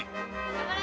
頑張れ！